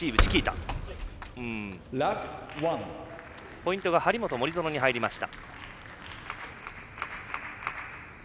ポイントが張本、森薗に入りました。